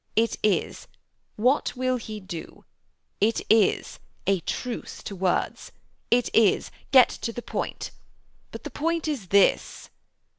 It is: What will he do? It is: A truce to words. It is: Get to the point. But the point is this....'